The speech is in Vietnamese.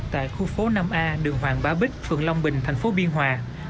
tại khu phố năm a đường hoàng ba bích phường long bình thành phố biên hòa